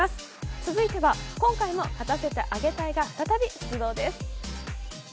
続いては今回の勝たせてあげ隊が再び出動です。